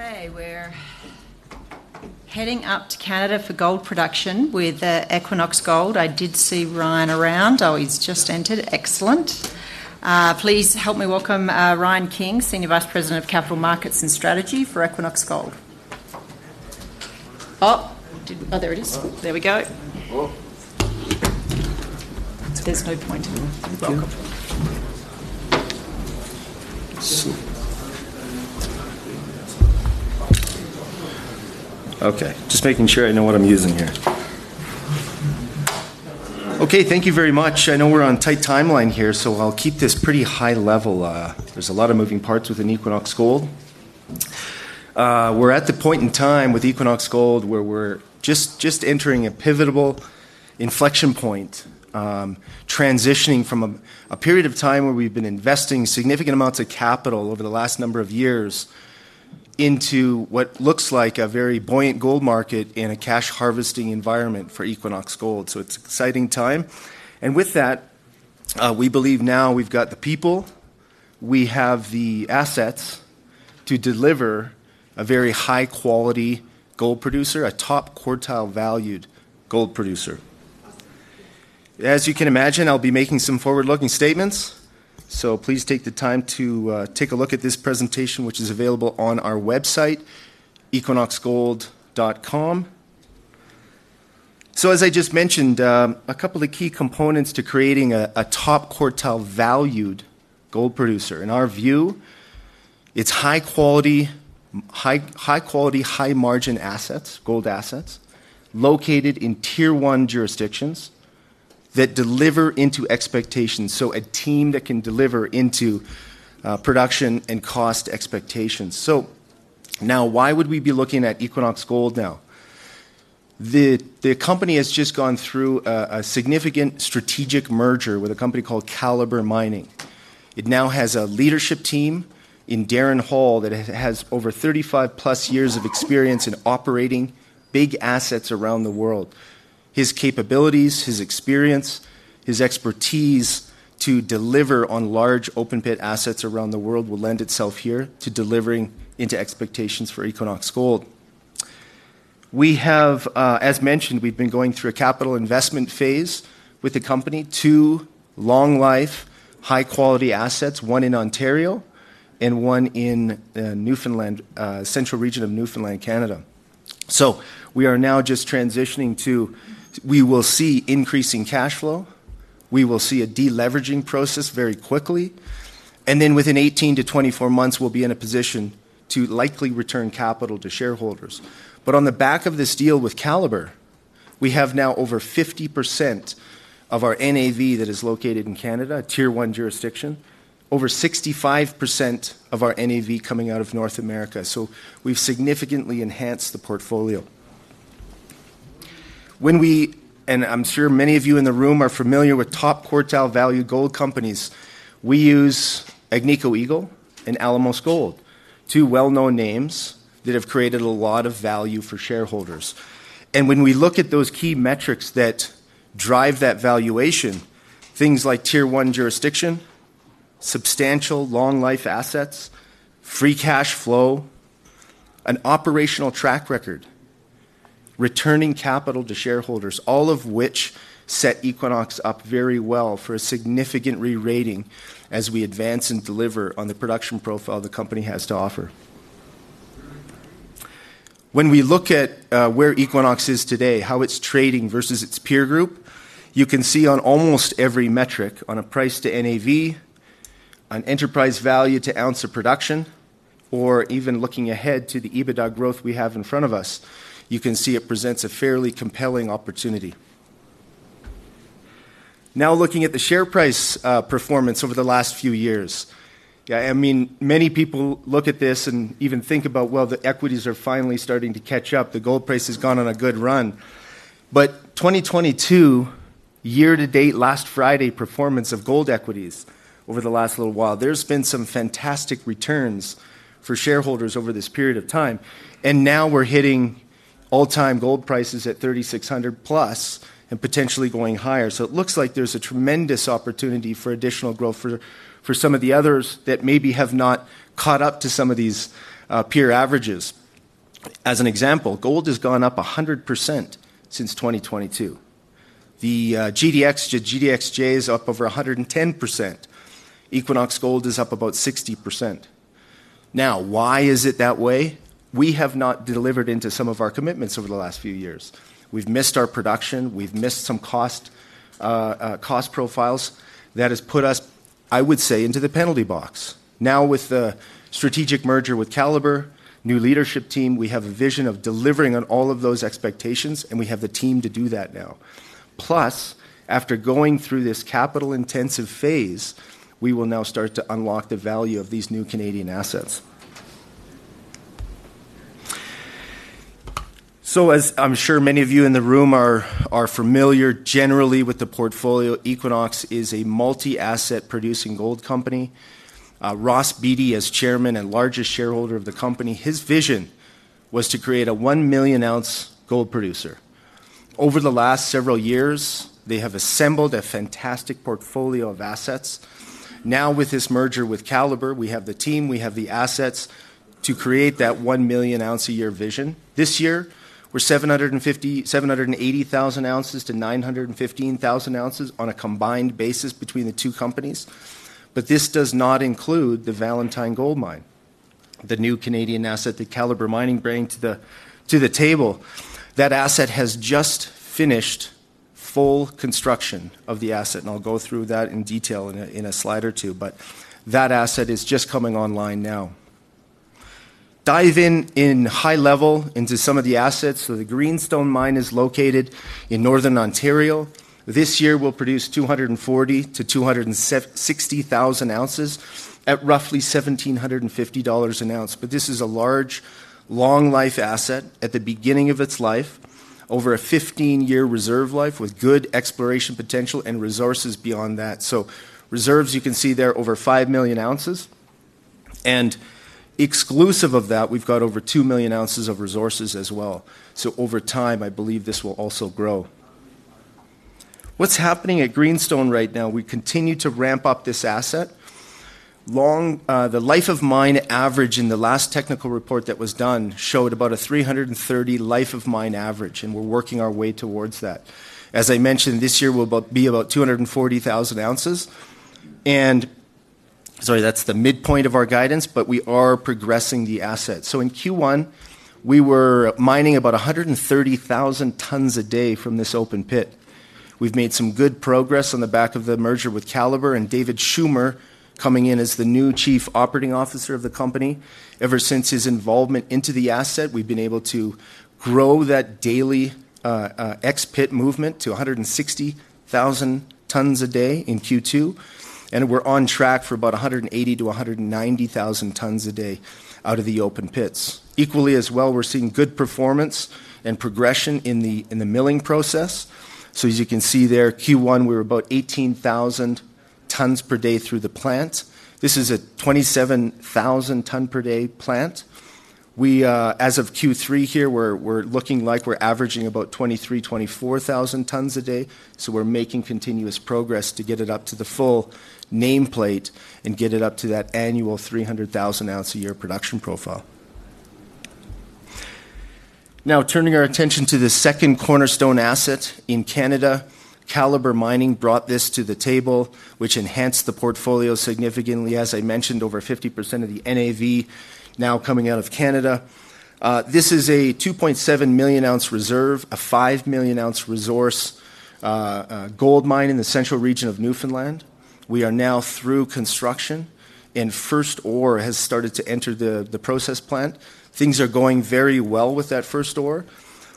Hey, we're heading up to Canada for gold production with Equinox Gold. I did see Ryan around. Oh, he's just entered. Excellent. Please help me welcome Ryan King, Senior Vice President of Capital Markets and Strategy for Equinox Gold. There it is. There we go. There's no point. Welcome. Sure. Okay, just making sure I know what I'm using here. Okay, thank you very much. I know we're on a tight timeline here, so I'll keep this pretty high level. There's a lot of moving parts within Equinox Gold. We're at the point in time with Equinox Gold where we're just entering a pivotal inflection point, transitioning from a period of time where we've been investing significant amounts of capital over the last number of years into what looks like a very buoyant gold market and a cash harvesting environment for Equinox Gold. It's an exciting time. With that, we believe now we've got the people, we have the assets to deliver a very high quality gold producer, a top quartile valued gold producer. As you can imagine, I'll be making some forward-looking statements, so please take the time to take a look at this presentation, which is available on our website, equinoxgold.com. As I just mentioned, a couple of the key components to creating a top quartile valued gold producer. In our view, it's high quality, high margin assets, gold assets, located in Tier 1 jurisdictions that deliver into expectations. A team that can deliver into production and cost expectations. Now why would we be looking at Equinox Gold now? The company has just gone through a significant strategic merger with a company called Calibre Mining. It now has a leadership team in Darren Hall that has over 35+ years of experience in operating big assets around the world. His capabilities, his experience, his expertise to deliver on large open pit assets around the world will lend itself here to delivering into expectations for Equinox Gold. We have, as mentioned, we've been going through a capital investment phase with the company, two long life, high quality assets, one in Ontario and one in the Newfoundland, central region of Newfoundland, Canada. We are now just transitioning to, we will see increasing cash flow. We will see a deleveraging process very quickly. Within 18-24 months, we'll be in a position to likely return capital to shareholders. On the back of this deal with Calibre, we have now over 50% of our NAV that is located in Canada, a Tier 1 jurisdiction, over 65% of our NAV coming out of North America. We've significantly enhanced the portfolio. When we, and I'm sure many of you in the room are familiar with top quartile value gold companies, we use Agnico Eagle and Alamos Gold, two well-known names that have created a lot of value for shareholders. When we look at those key metrics that drive that valuation, things like Tier 1 jurisdiction, substantial long life assets, free cash flow, an operational track record, returning capital to shareholders, all of which set Equinox Gold up very well for a significant rerating as we advance and deliver on the production profile the company has to offer. When we look at where Equinox Gold is today, how it's trading versus its peer group, you can see on almost every metric, on a price to NAV, an enterprise value to ounce of production, or even looking ahead to the EBITDA growth we have in front of us, you can see it presents a fairly compelling opportunity. Now looking at the share price performance over the last few years, I mean, many people look at this and even think about, well, the equities are finally starting to catch up. The gold price has gone on a good run. For 2022, year to date, last Friday, performance of gold equities over the last little while, there's been some fantastic returns for shareholders over this period of time. Now we're hitting all-time gold prices at $3,600+ and potentially going higher. It looks like there's a tremendous opportunity for additional growth for some of the others that maybe have not caught up to some of these peer averages. As an example, gold has gone up 100% since 2022. The GDXJ is up over 110%. Equinox Gold is up about 60%. Now, why is it that way? We have not delivered into some of our commitments over the last few years. We've missed our production. We've missed some cost profiles that have put us, I would say, into the penalty box. With the strategic merger with Calibre, new leadership team, we have a vision of delivering on all of those expectations, and we have the team to do that now. Plus, after going through this capital-intensive phase, we will now start to unlock the value of these new Canadian assets. As I'm sure many of you in the room are familiar generally with the portfolio, Equinox is a multi-asset producing gold company. Ross Beaty is Chairman and largest shareholder of the company. His vision was to create a 1-million-oz gold producer. Over the last several years, they have assembled a fantastic portfolio of assets. Now, with this merger with Calibre, we have the team, we have the assets to create that 1-million-oz-a-year vision. This year, we're 750,000, 780,000 oz-915,000 oz on a combined basis between the two companies. This does not include the Valentine Gold Mine, the new Canadian asset that Calibre Mining brings to the table. That asset has just finished full construction of the asset, and I'll go through that in detail in a slide or two, but that asset is just coming online now. Dive in, in high level, into some of the assets. The Greenstone Mine is located in Northern Ontario. This year, we'll produce 240,000 oz-260,000 oz at roughly $1,750 an ounce. This is a large, long-life asset at the beginning of its life, over a 15-year reserve life with good exploration potential and resources beyond that. Reserves you can see there are over 5 million oz. Exclusive of that, we've got over 2 million oz of resources as well. Over time, I believe this will also grow. What's happening at Greenstone right now? We continue to ramp up this asset. The life of mine average in the last technical report that was done showed about a 330,000 life of mine average, and we're working our way towards that. As I mentioned, this year we'll be about 240,000 oz. Sorry, that's the midpoint of our guidance, but we are progressing the asset. In Q1, we were mining about 130,000 tons a day from this open pit. We've made some good progress on the back of the merger with Calibre and David Schummer coming in as the new Chief Operating Officer of the company. Ever since his involvement into the asset, we've been able to grow that daily ex-pit movement to 160,000 tons a day in Q2. We're on track for about 180,000 tons-190,000 tons a day out of the open pits. Equally as well, we're seeing good performance and progression in the milling process. As you can see there, Q1, we were about 18,000 tons per day through the plant. This is a 27,000 ton per day plant. As of Q3 here, we're looking like we're averaging about 23,000, 24,000 tons a day. We're making continuous progress to get it up to the full nameplate and get it up to that annual 300,000 ounce a year production profile. Now, turning our attention to the second cornerstone asset in Canada, Calibre Mining brought this to the table, which enhanced the portfolio significantly. As I mentioned, over 50% of the NAV now coming out of Canada. This is a 2.7-million-oz reserve, a 5-million-oz resource gold mine in the central region of Newfoundland. We are now through construction, and first ore has started to enter the process plant. Things are going very well with that first ore.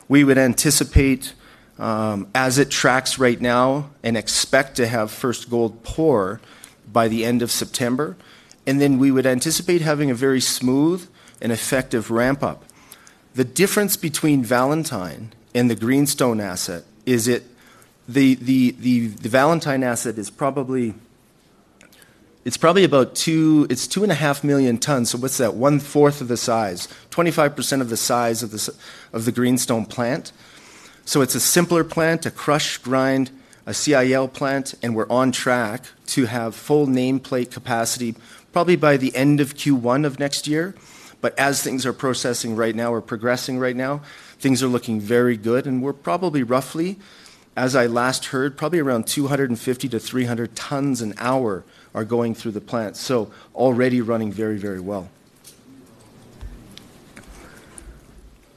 We would anticipate, as it tracks right now, and expect to have first gold pour by the end of September. We would anticipate having a very smooth and effective ramp up. The difference between Valentine and the Greenstone asset is that the Valentine asset is probably, it's probably about two, it's 2.5 million tons. What's that? One fourth of the size, 25% of the size of the Greenstone plant. It's a simpler plant, a crush grind, a CIL plant, and we're on track to have full nameplate capacity probably by the end of Q1 of next year. As things are processing right now, we're progressing right now. Things are looking very good, and we're probably, roughly, as I last heard, probably around 250 tons-300 tons an hour are going through the plant. Already running very, very well.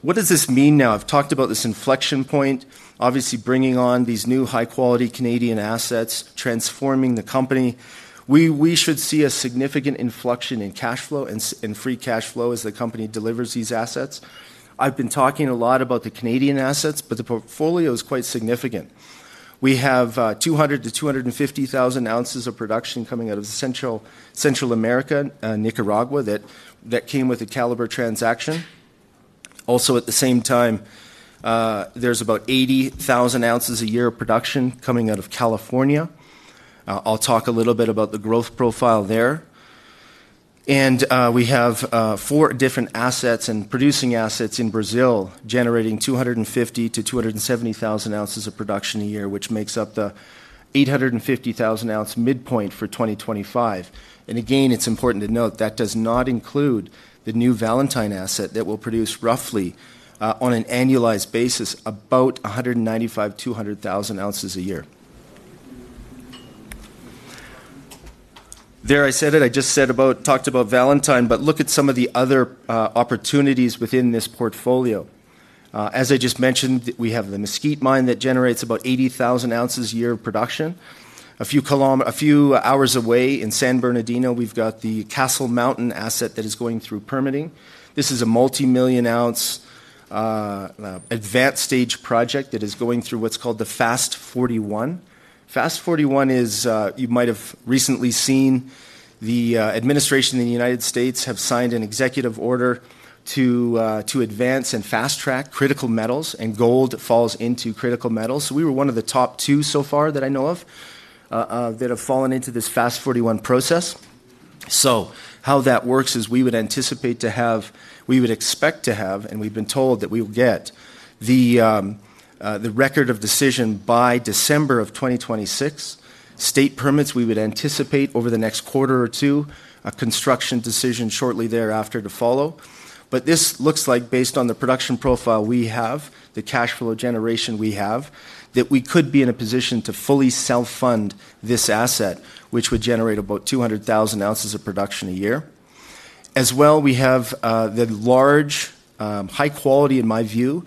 What does this mean now? I've talked about this inflection point, obviously bringing on these new high quality Canadian assets, transforming the company. We should see a significant inflection in cash flow and free cash flow as the company delivers these assets. I've been talking a lot about the Canadian assets, but the portfolio is quite significant. We have 200,000 oz-250,000 oz of production coming out of Central America, Nicaragua, that came with a Calibre transaction. Also, at the same time, there's about 80,000 oz a year of production coming out of California. I'll talk a little bit about the growth profile there. We have four different assets and producing assets in Brazil generating 250,000 oz-270,000 oz of production a year, which makes up the 850,000 oz midpoint for 2025. It's important to note that does not include the new Valentine asset that will produce roughly, on an annualized basis, about 195,000 oz-200,000 oz a year. There, I said it, I just said about, talked about Valentine, but look at some of the other opportunities within this portfolio. As I just mentioned, we have the Mesquite Mine that generates about 80,000 oz a year of production. A few hours away in San Bernardino, we've got the Castle Mountain asset that is going through permitting. This is a multi-million ounce advanced stage project that is going through what's called the FAST-41. FAST-41 is, you might have recently seen the administration in the U.S. have signed an executive order to advance and fast track critical metals, and gold falls into critical metals. We were one of the top two so far that I know of that have fallen into this FAST-41 process. How that works is we would anticipate to have, we would expect to have, and we've been told that we will get the record of decision by December of 2026. State permits, we would anticipate over the next quarter or two, a construction decision shortly thereafter to follow. This looks like, based on the production profile we have, the cash flow generation we have, that we could be in a position to fully self-fund this asset, which would generate about 200,000 oz of production a year. As well, we have the large, high quality, in my view,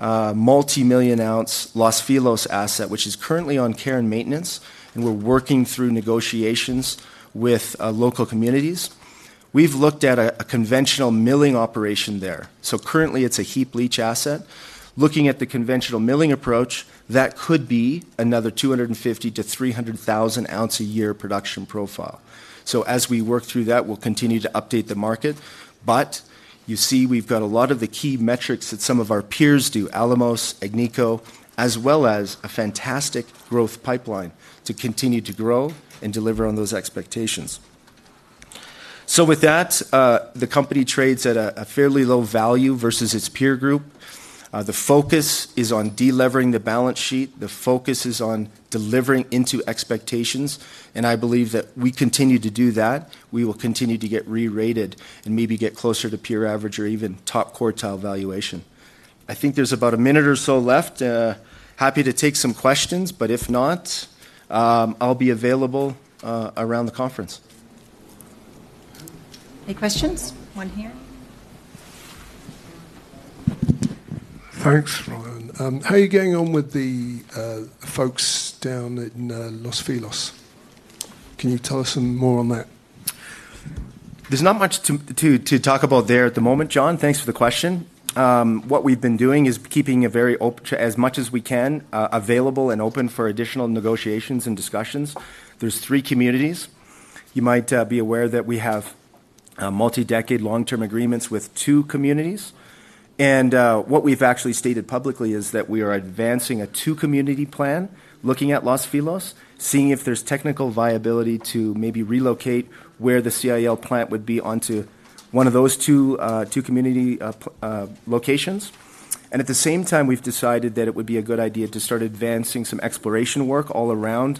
multi-million ounce Los Filos asset, which is currently on care and maintenance, and we're working through negotiations with local communities. We've looked at a conventional milling operation there. Currently, it's a heap leach asset. Looking at the conventional milling approach, that could be another 250,000 oz-300,000 oz a year production profile. As we work through that, we'll continue to update the market. You see, we've got a lot of the key metrics that some of our peers do, Alamos, Agnico, as well as a fantastic growth pipeline to continue to grow and deliver on those expectations. The company trades at a fairly low value versus its peer group. The focus is on deleveraging the balance sheet. The focus is on delivering into expectations. I believe that we continue to do that. We will continue to get rerated and maybe get closer to peer average or even top quartile valuation. I think there's about a minute or so left. Happy to take some questions, but if not, I'll be available around the conference. Any questions? One here. Thanks, Ryan. How are you getting on with the folks down in Los Filos? Can you tell us some more on that? There's not much to talk about there at the moment, John. Thanks for the question. What we've been doing is keeping a very open, as much as we can, available and open for additional negotiations and discussions. There are three communities. You might be aware that we have multi-decade long-term agreements with two communities. What we've actually stated publicly is that we are advancing a two-community plan, looking at Los Filos, seeing if there's technical viability to maybe relocate where the CIL plant would be onto one of those two community locations. At the same time, we've decided that it would be a good idea to start advancing some exploration work all around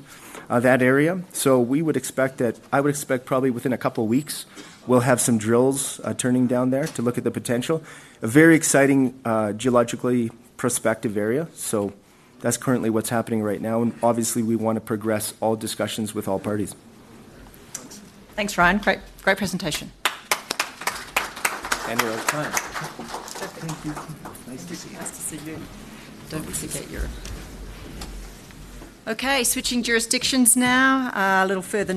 that area. We would expect that, I would expect probably within a couple of weeks, we'll have some drills turning down there to look at the potential. A very exciting geologically prospective area. That's currently what's happening right now. Obviously, we want to progress all discussions with all parties. Thanks, Ryan. Great presentation. We're out of time. Thank you. Nice to see us. Okay, switching jurisdictions now, a little further.